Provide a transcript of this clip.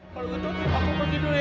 kalau guntur aku mau tidur ya